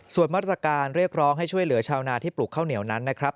ส่วนมาตรการเรียกร้องให้ช่วยเหลือชาวนาที่ปลูกข้าวเหนียวนั้นนะครับ